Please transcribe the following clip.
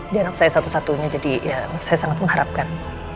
dia anak saya satu satunya jadi saya sangat mengharapkan